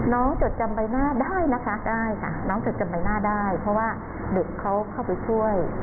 จดจำใบหน้าได้นะคะได้ค่ะน้องจดจำใบหน้าได้เพราะว่าเด็กเขาเข้าไปช่วย